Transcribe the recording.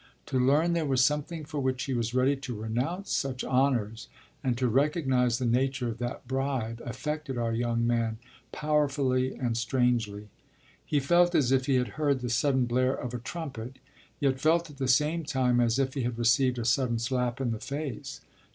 To learn there was something for which he was ready to renounce such honours, and to recognise the nature of that bribe, affected our young man powerfully and strangely. He felt as if he had heard the sudden blare of a trumpet, yet felt at the same time as if he had received a sudden slap in the face.